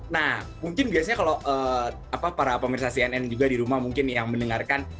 nah mungkin biasanya kalau para pemerintah cnn juga di rumah mungkin yang mendengarkan